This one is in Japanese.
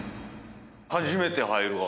初めて入るわ。